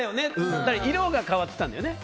そしたら色が変わってたんだよね。